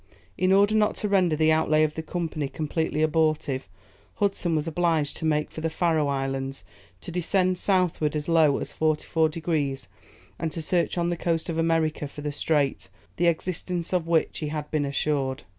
In order not to render the outlay of the Company completely abortive, Hudson was obliged to make for the Faröe Islands, to descend southward as low as 44 degrees, and to search on the coast of America for the strait, of the existence of which he had been assured.